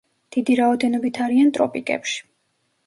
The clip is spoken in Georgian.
დიდი რაოდენობით არიან ტროპიკებში.